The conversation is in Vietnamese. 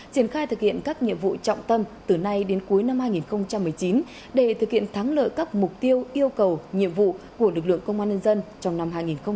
triển khai thực hiện các nhiệm vụ trọng tâm từ nay đến cuối năm hai nghìn một mươi chín để thực hiện thắng lợi các mục tiêu yêu cầu nhiệm vụ của lực lượng công an nhân dân trong năm hai nghìn hai mươi